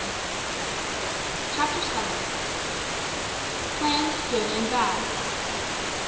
CHAPTER VII. PLANS GOOD AND BAD.